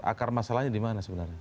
akar masalahnya di mana sebenarnya